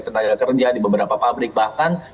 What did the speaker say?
tenaga kerja di beberapa pabrik bahkan